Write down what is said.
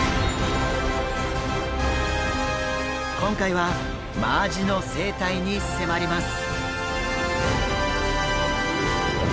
今回はマアジの生態に迫ります。